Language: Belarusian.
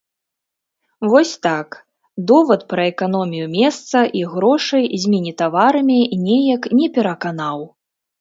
Вось так, довад пра эканомію месца і грошай з міні-таварамі неяк не пераканаў.